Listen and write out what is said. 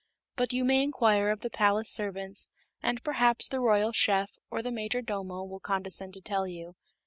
"But you may inquire of the palace servants and perhaps the Royal Chef or the Majordomo will condescend to tell you.